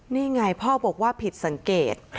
นี่ไงพ่อบอกว่าผิดสังเกต